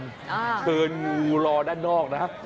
เชิญงูรอด้านนอกนะ